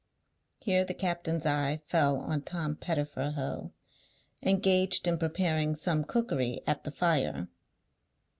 Here the captain's eye fell on Tom Pettifer Ho, engaged in preparing some cookery at the fire.